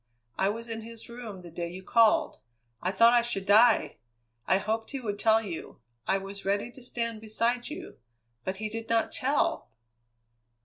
I was in his room the day you called. I thought I should die. I hoped he would tell you. I was ready to stand beside you; but he did not tell!"